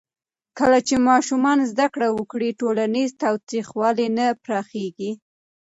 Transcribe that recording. کله چې ماشومان زده کړه وکړي، ټولنیز تاوتریخوالی نه پراخېږي.